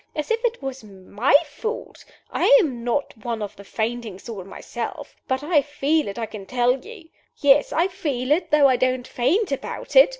As if it was my fault! I am not one of the fainting sort myself; but I feel it, I can tell you. Yes! I feel it, though I don't faint about it.